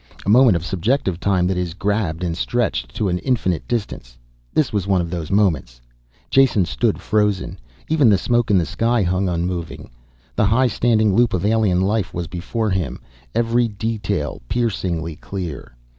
A moment of subjective time that is grabbed and stretched to an infinite distance. This was one of those moments. Jason stood, frozen. Even the smoke in the sky hung unmoving. The high standing loop of alien life was before him, every detail piercingly clear.